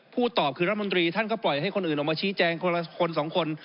ตอบคือรัฐมนตรีท่านก็ปล่อยให้คนอื่นออกมาชี้แจงคนละคนสองคน